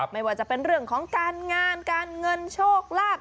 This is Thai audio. ไม่ว่าจะเป็นเรื่องของการงานการเงินโชคลาภ